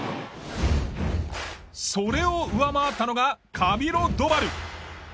それを上回ったのがカミロ・ドバル。